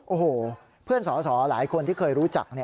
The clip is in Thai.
โอ้โหเพื่อนสอสอหลายคนที่เคยรู้จัก